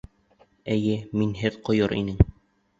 Эйе, минһеҙ ҡойор инең...